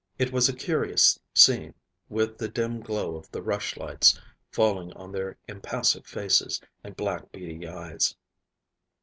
It was a curious scene, with the dim glow of the rushlights falling on their impassive faces and black, beady eyes.